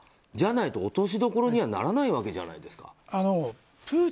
じゃないと、落としどころにならないじゃないですか。